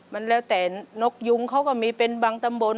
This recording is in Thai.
มันแล้วแต่นกยุงเขาก็มีเป็นบางตำบล